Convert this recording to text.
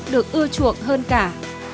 được ưa chuộng hơn cả